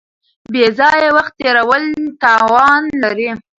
بې ځایه وخت تېرول تاوان لري.